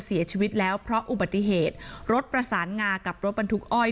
เสียชีวิตแล้วเพราะอุบัติเหตุรถประสานงากับรถบรรทุกอ้อย